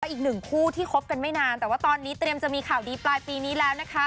อีกหนึ่งคู่ที่คบกันไม่นานแต่ว่าตอนนี้เตรียมจะมีข่าวดีปลายปีนี้แล้วนะคะ